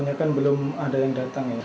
hanya kan belum ada yang datang ya